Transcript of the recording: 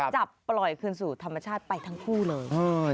จับปล่อยคืนสู่ธรรมชาติไปทั้งคู่เลย